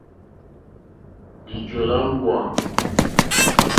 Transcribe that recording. Lìjɔ́lɛ̀ mbúà.